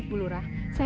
kok bu lurah ada di sini